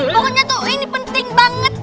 pokoknya tuh ini penting banget